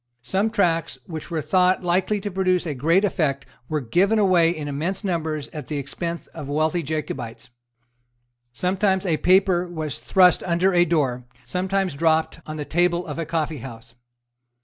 Some tracts which were thought likely to produce a great effect were given away in immense numbers at the expense of wealthy Jacobites. Sometimes a paper was thrust under a door, sometimes dropped on the table of a coffeehouse.